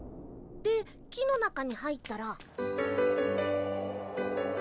で木の中に入ったら。